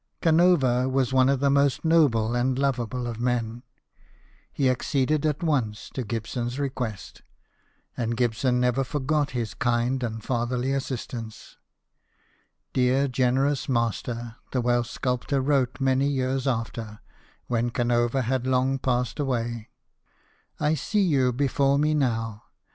Canova was one of the most noble and lovable of men. He acceded at once to Gibson's request, and Gibson never forgot his kind and fatherly assist ance. " Dear generous master," the Welsh sculptor wrote many years after, when Canova had long passed away, " I see you before me JOHN GIBSON, SCULPTOR. 73 now.